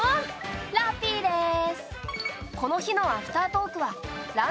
ラッピーです！